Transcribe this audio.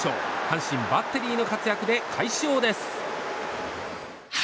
阪神、バッテリーの活躍で快勝です。